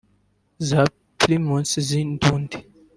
za Primus z’indundi